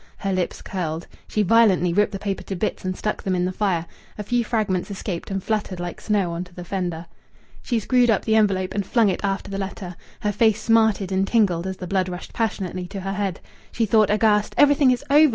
Her lips curled. She violently ripped the paper to bits and stuck them in the fire; a few fragments escaped and fluttered like snow on to the fender. She screwed up the envelope and flung it after the letter. Her face smarted and tingled as the blood rushed passionately to her head. She thought, aghast: "Everything is over!